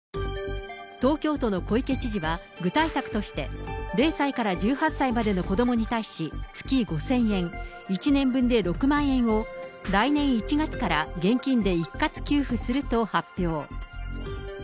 東京都の小池知事は、具体策として、０歳から１８歳までの子どもに対し、月５０００円、１年分で６万円を、来年１月から現金で一括給付すると発表。